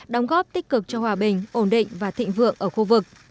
đóng góp tích cực cho hòa bình ổn định và thịnh vượng ở khu vực